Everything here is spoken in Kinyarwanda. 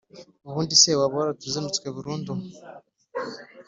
ubundi se, waba waratuzinutswe burundu,